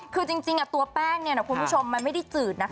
คือจริงตัวแป้งคุณผู้ชมมันไม่ได้จืดนะคะ